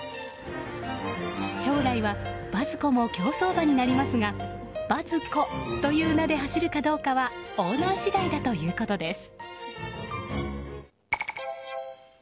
将来はバズ子も競走馬になりますがバズ子という名で走るかどうかはオーナー次第だということです。